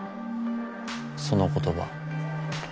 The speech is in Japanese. その言葉。